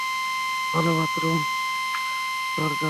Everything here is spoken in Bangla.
ভালো বাথরুম, দরজাওয়ালা।